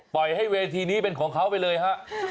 ปล่อยให้เวทีนี้เป็นของเขาไปเลยฮะ